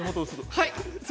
◆はい！